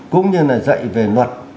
cũng như là dạy về luật